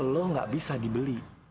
lu gak bisa dibeli